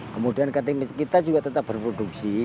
kemudian kita juga tetap berpura pura